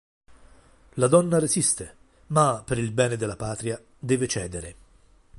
La donna resiste ma per il bene della patria deve cedere.